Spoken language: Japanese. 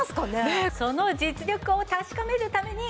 その実力を確かめるために。